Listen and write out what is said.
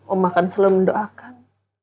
oma akan selalu mendoakan